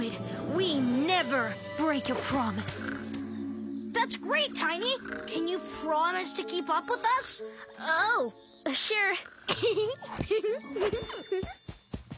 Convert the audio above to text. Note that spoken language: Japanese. ウフフフ！